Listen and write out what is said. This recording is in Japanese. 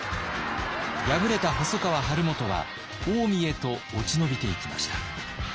敗れた細川晴元は近江へと落ち延びていきました。